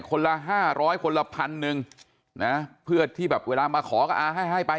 คนละ๕๐๐คนละพันหนึ่งเพื่อที่แบบเวลามาขอก็ให้ไป